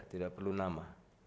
tidak perlu nama